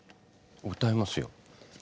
歌いますよ。